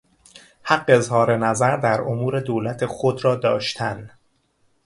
حق اظهار نظر در امور دولت خود را داشتن